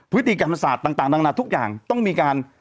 พิธีกรรมศาสตร์ต่างทุกอย่างต้องมีการ